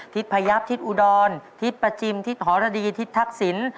พยับทิศอุดรทิศประจิมทิศหรดีทิศทักษิณ